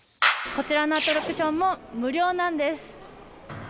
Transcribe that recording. こちらのアトラクションも無料なんです。